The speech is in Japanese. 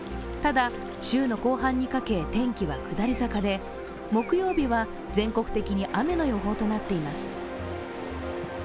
ただ、週の後半にかけ天気は下り坂で木曜日は全国的に雨の予報となっています。